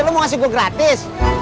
lo mau kasih gue gratis